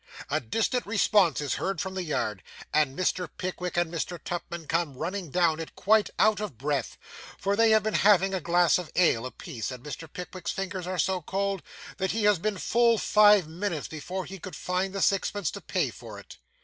A distant response is heard from the yard, and Mr. Pickwick and Mr. Tupman come running down it, quite out of breath, for they have been having a glass of ale a piece, and Mr. Pickwick's fingers are so cold that he has been full five minutes before he could find the sixpence to pay for it.